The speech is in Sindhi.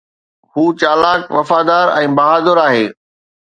هو چالاڪ، وفادار ۽ بهادر آهي